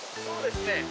そうですね。